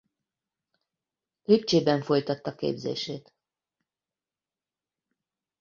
Lipcsében folytatta képzését.